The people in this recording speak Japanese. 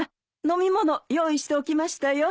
飲み物用意しておきましたよ。